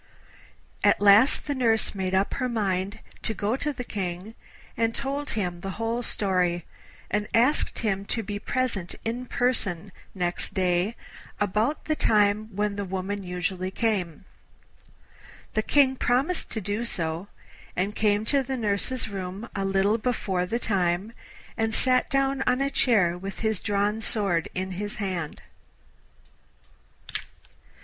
At last the nurse made up her mind to go to the King, and told him the whole story, and asked him to be present in person next day about the time when the woman usually came. The King promised to do so, and came to the nurse's room a little before the time, and sat down on a chair with his drawn sword in his hand.